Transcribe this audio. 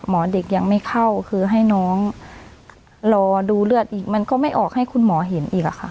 เด็กยังไม่เข้าคือให้น้องรอดูเลือดอีกมันก็ไม่ออกให้คุณหมอเห็นอีกอะค่ะ